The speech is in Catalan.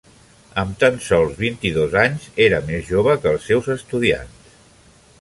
Amb tan sols vint-i-dos anys, era més jove que els seus estudiants.